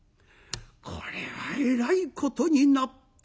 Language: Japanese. これはえらいことになった。